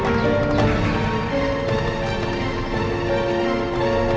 pak pak pak bangun pak